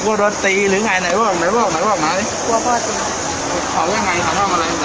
แล้วเรื่องมัน